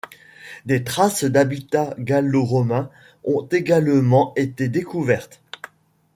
Des traces d'habitat gallo-romain ont également été découvertes.